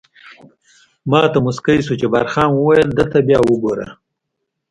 ما ته موسکی شو، جبار خان وویل: ده ته بیا وګوره.